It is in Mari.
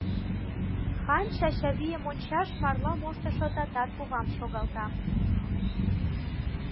Хан Чачавийым ончаш марла моштышо татар кувам шогалта.